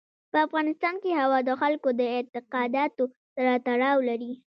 په افغانستان کې هوا د خلکو د اعتقاداتو سره تړاو لري.